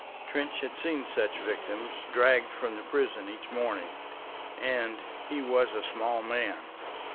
Trench had seen such victims dragged from the prison each morning; and he was a small man.